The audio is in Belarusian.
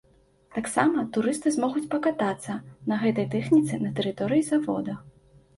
Таксама турысты змогуць пакатацца на гэтай тэхніцы на тэрыторыі завода.